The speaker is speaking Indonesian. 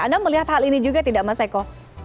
anda melihat hal ini juga tidak mas eko